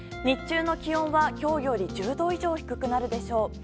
日中の気温は、今日より１０度以上低くなるでしょう。